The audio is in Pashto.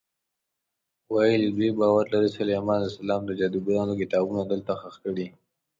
ویل یې دوی باور لري سلیمان علیه السلام د جادوګرانو کتابونه دلته ښخ کړي.